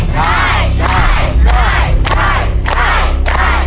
ทำได้หรือไม่ได้